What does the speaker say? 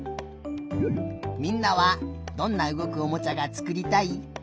みんなはどんなうごくおもちゃがつくりたい？